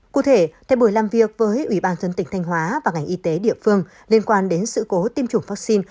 cụ thể tại buổi làm việc với ủy ban dân tỉnh thanh hóa và ngành y tế địa phương liên quan đến sự cố tiêm chủng vaccine